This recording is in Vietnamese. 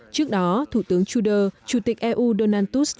trước đó thủ tướng trudeau chủ tịch eu donald tusk